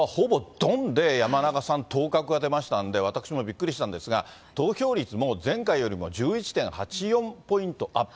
どんで、山中さん当確が出ましたんで、私もびっくりしたんですが、投票率も前回よりも１１．８４ポイントアップ。